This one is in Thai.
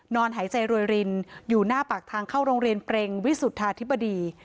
หายใจรวยรินอยู่หน้าปากทางเข้าโรงเรียนเปรงวิสุทธาธิบดี